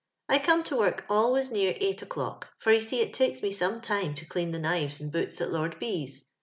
I come to work always near eight o'clock, for you see it takes me some time to clean the knives and boots at Lord B 's.